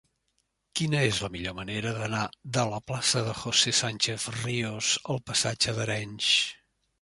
Quina és la millor manera d'anar de la plaça de José Sánchez Ríos al passatge d'Arenys?